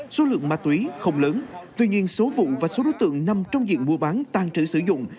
số lượng ma túy không lớn tuy nhiên số vụ và số đối tượng nằm trong diện mua bán tàn trữ sử dụng